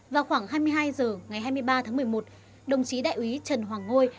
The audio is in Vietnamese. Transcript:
vào khoảng hai mươi hai h ngày hai mươi ba tháng một mươi một đồng chí đại úy trần hoàng ngôi